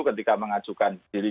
ketika mengajukan diri